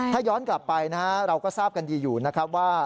ถ้าย้อนกลับไปนะฮะเราก็ทราบกันดีอยู่นะครับว่า